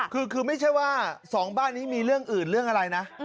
คือไม่ใช่ว่าสองบ้านนี้มีเรื่องอื่นเรื่องอะไรนะ